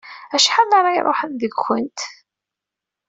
Acḥal ara iruḥen deg-kunt?